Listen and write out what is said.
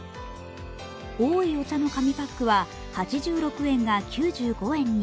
おいお茶の紙パックは８６円が９５円。